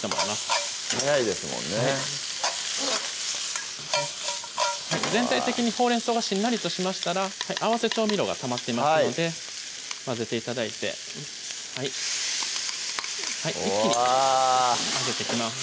はい全体的にほうれん草がしんなりとしましたら合わせ調味料がたまっていますので混ぜて頂いて一気に混ぜていきます